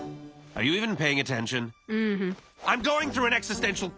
あっ！